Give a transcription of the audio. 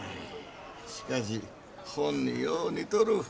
しかしほんによう似とる。